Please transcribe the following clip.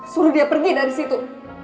suruh dia pergi dari situ